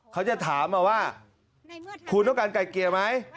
เขาจะถามมาว่าคุณต้องการไก่เกลี่ยไหม